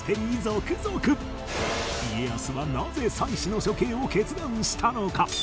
家康はなぜ妻子の処刑を決断したのか！？